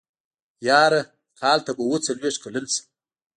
يره کال ته به اوه څلوېښت کلن شم.